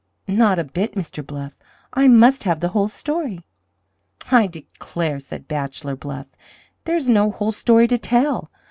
"Not a bit, Mr. Bluff. I must have the whole story." "I declare," said Bachelor Bluff, "there's no whole story to tell.